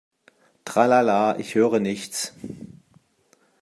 Tralala, ich höre nichts!